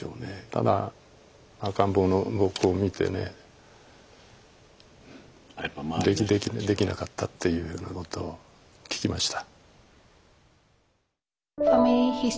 ただ赤ん坊の僕を見てねできなかったというようなことを聞きました。